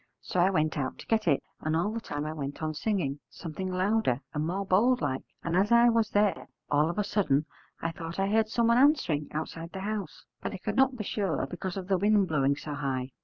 So I went out to get it, and all the time I went on singing, something louder and more bold like. And as I was there all of a sudden I thought I heard someone answering outside the house, but I could not be sure because of the wind blowing so high.